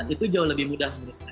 itu jauh lebih mudah menurut saya